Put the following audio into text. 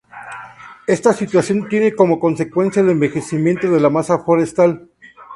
Esta situación tiene como consecuencia el envejecimiento de la masa forestal.